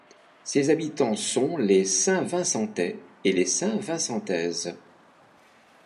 Ses habitants sont les Saint-Vincentais et les Saint-Vincentaises.